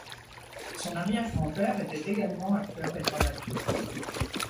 Son arrière-grand-père était également acteur et dramaturge.